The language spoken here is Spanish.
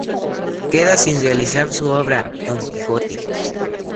Queda sin realizar su obra "Don Quijote".